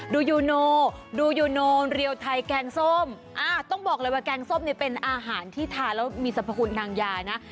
ยูโนดูยูโนเรียวไทยแกงส้มต้องบอกเลยว่าแกงส้มเนี่ยเป็นอาหารที่ทานแล้วมีสรรพคุณทางยานะ